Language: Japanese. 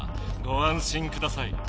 ごあん心ください。